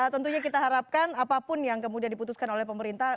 tentunya kita harapkan apapun yang kemudian diputuskan oleh pemerintah